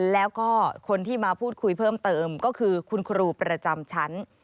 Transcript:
แล้วก็คนที่มาพูดคุยเพิ่มเติมก็คือคุณครูประจำชั้น